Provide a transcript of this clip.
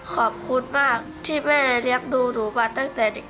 ขอบคุณมากที่แม่เลี้ยงดูหนูมาตั้งแต่เด็ก